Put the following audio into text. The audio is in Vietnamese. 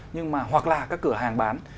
nhưng mà hoặc là các cửa hàng bán